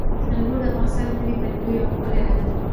انګور د افغانستان د طبیعي پدیدو یو ښکلی رنګ دی.